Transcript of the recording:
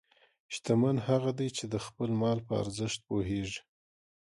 شتمن هغه دی چې د خپل مال په ارزښت پوهېږي.